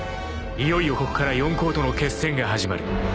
いよいよここから四皇との決戦が始まる］